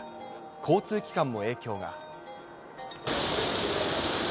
交通機関も影響が。